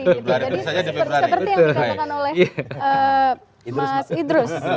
seperti yang dikatakan oleh mas idrus